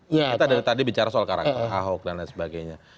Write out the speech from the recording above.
kita dari tadi bicara soal karakter ahok dan lain sebagainya